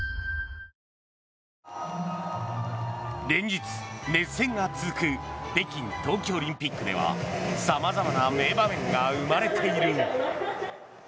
連日、熱戦が続く北京冬季オリンピックでは様々な名場面が生まれている。